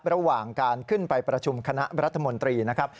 ระหว่างการขึ้นไปประชุมคณะรัฐมนตรีนะครับ